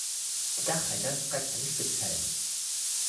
Der Dachreiter trägt einen Spitzhelm.